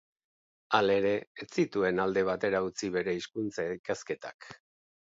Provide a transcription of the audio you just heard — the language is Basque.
Hala ere, ez zituen alde batera utzi bere hizkuntza-ikasketak.